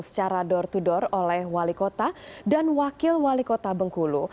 secara door to door oleh wali kota dan wakil wali kota bengkulu